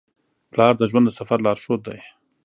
پلار د ژوند د سفر لارښود دی.